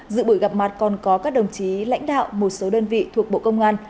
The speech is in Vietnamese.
dự buổi gặp mặt còn có các đồng chí lãnh đạo một số đơn vị thuộc bộ công an